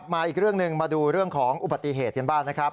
มาอีกเรื่องหนึ่งมาดูเรื่องของอุบัติเหตุกันบ้างนะครับ